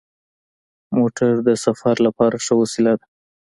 موټر د سفر لپاره ښه وسیله ده.